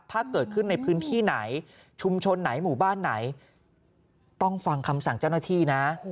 ถ้าเกิดขึ้นในพื้นที่ไหนชุมชนไหนหมู่บ้านไหนต้องฟังคำสั่งเจ้าหน้าที่นะ